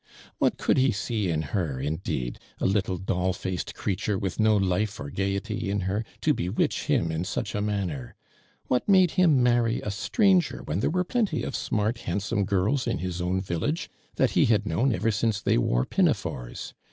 "What could he see in her, indeed, a lit tle doll faced creature with no life or gaiety in her, to bewitch him in such a manner ? What made liim marry a stranger when there were plenty of smart handsome girls in his own village that he had known ever since they wore pinafores